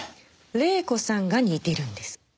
黎子さんが似てるんです。